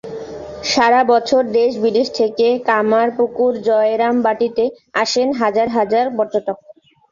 সারা বছর দেশ-বিদেশ থেকে কামারপুকুর-জয়রামবাটিতে আসেন হাজার হাজার পর্যটক।